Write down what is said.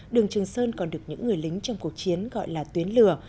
đường trường sơn còn được những người lính trong cuộc chiến gọi là tuyến lửa